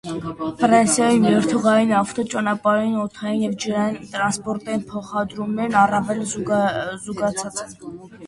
Ֆրանսիայում երկաթուղային, ավտոճանապարհային, օդային և ջրային տրանսպորտային փոխադրումներն առավել զարգացած են։